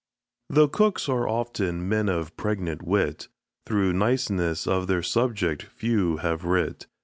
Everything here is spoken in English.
Though cooks are often men of pregnant wit, Through niceness of their subject few have writ.